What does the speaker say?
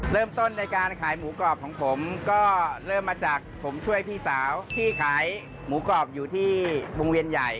เริ่มต้นในการขายหมูกรอบของผมก็เริ่มมาจากผมช่วยพี่สาวที่ขายหมูกรอบอยู่ที่วงเวียนใหญ่